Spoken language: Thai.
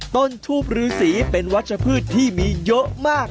ต้นทูบฤษีเป็นวัชพฤษที่มีเยอะมาก